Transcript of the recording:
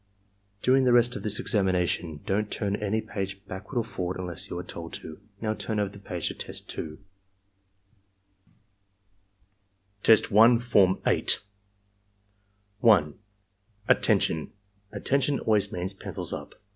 "During the rest of this examination don't turn any page backward or forward unless you are told to. Now turn over the page to Test 2." Test 1, Form 8 1. "Attention! "Attention' always means 'Pencils up.'